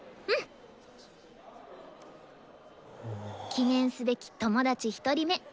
記念すべき友達１人目！